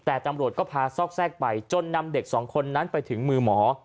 แต่ตำรวจก็พาซอกแทรกไปจนนำเด็กสองคนนั้นไปถึงมือหมอ